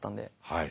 はい。